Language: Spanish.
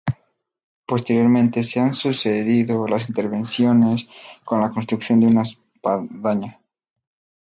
Posteriormente se han sucedido las intervenciones con la construcción de una espadaña.